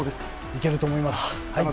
いけると思います。